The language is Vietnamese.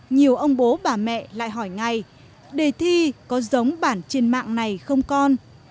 nhiều ông bố bà mẹ lại hỏi ngay đề thi có giống bản trên mạng này không con